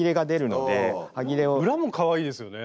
裏もかわいいですよね。